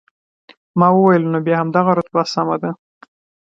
ما وویل، نو بیا همدغه رتبه سمه ده.